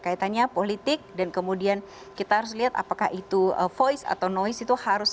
kaitannya politik dan kemudian kita harus lihat apakah itu voice atau noise itu harus